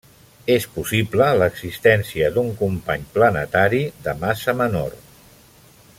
És possible l'existència d'un company planetari de massa menor.